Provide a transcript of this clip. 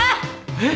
えっ！？